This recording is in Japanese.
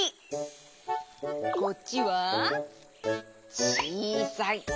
こっちはちいさい。